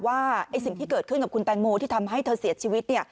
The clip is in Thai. ว่าสิ่งที่เกิดขึ้นกับคุณแตงโมที่ทำให้เธอเสียชีวิต